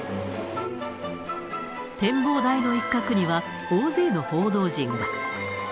展望台の一角には大勢の報道陣が。